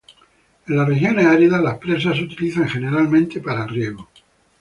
En las regiones áridas, las presas se utilizan generalmente para riego.